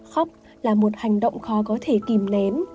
khóc là một hành động khó có thể kìm ném